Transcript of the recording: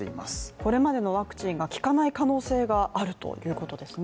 これまでのワクチンが効かない可能性があるということですね